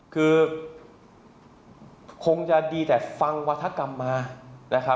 คือคงจะดีแต่ฟังวรรษกรรมมา